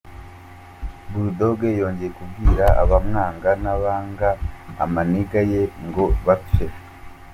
Bull Dogg, yongeye kubwira abamwanga n’abanga ’amanigga ye’ ngo bapfe !.